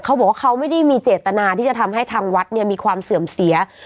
เขาบอกว่าเขาไม่ได้มีเจตนาที่จะทำให้ทางวัดเนี่ยมีความเสื่อมเสีย